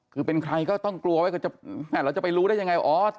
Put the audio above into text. คือเป็นใครก็ต้องกลัวไว้เราจะไปรู้ได้ยังไงอ๋อ